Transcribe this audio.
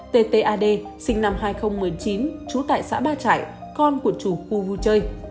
ttad sinh năm hai nghìn một mươi chín chú tại xã ba trại con của chủ khu vui chơi